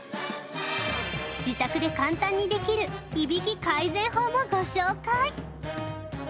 自宅で簡単にできるいびき改善法もご紹介。